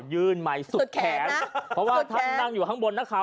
จับไมค์เอาฟังกันหน่อยค่ะ